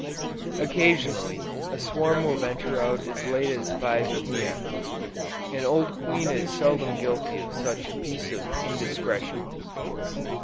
Occasionally, a swarm will venture out as late as 5 P. M. An old queen is seldom guilty of such a piece of indiscretion.